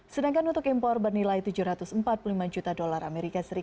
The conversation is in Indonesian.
sedangkan untuk impor bernilai tujuh ratus empat puluh lima juta dolar as